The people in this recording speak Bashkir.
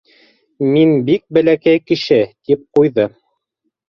Мин бик бәләкәй кеше, — тип ҡуйҙы.